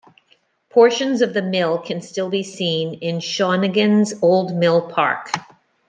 Portions of the mill can still be seen in Shawnigan's Old Mill Park.